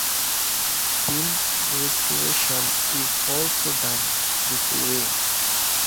Film restoration is also done this way.